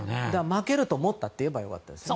負けると思ったって言えばよかったですね。